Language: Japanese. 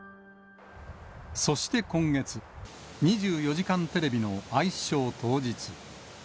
そして今月、２４時間テレビのアイスショー当日。